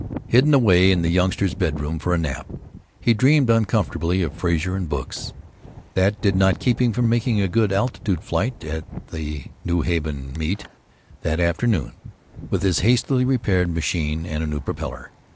Hidden away in the youngster's bedroom for a nap, he dreamed uncomfortably of Frazer and books. That did not keep him from making a good altitude flight at the New Haven Meet that afternoon, with his hastily repaired machine and a new propeller.